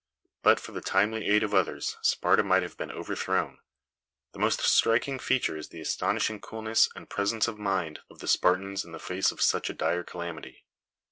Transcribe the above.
But for the timely aid of others, Sparta might have been overthrown. The most striking feature is the astonishing coolness and presence of mind of the Spartans in the face of such a dire calamity.